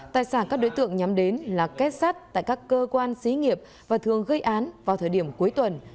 tài sản các đối tượng nhắm đến là kết sát tại các cơ quan xí nghiệp và thường gây án vào thời điểm cuối tuần